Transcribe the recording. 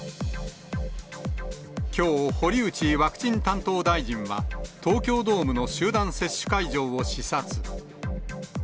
きょう、堀内ワクチン担当大臣は、東京ドームの集団接種会場を視察。